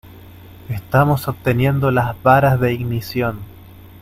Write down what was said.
Estamos obteniendo las varas de ignición.